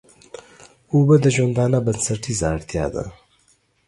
اوبه د ژوندانه بنسټيزه اړتيا ده.